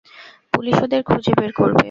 Police ওদের খুঁজে বের করবে।